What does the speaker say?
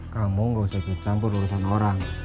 kamu nggak usah dicampur urusan orang